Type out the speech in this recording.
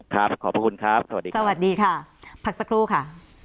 ขอบพระคุณครับสวัสดีครับสวัสดีค่ะพักสักครู่ค่ะ